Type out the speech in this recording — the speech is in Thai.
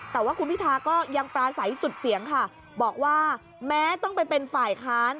แต่ว่าคุณพิทาก็ยังปราศัยสุดเสียงค่ะบอกว่าแม้ต้องไปเป็นฝ่ายค้าน